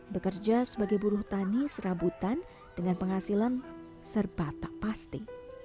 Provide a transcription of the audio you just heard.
bekerja sebagai buruh tani serabutan dengan penghasilan serba tak pasti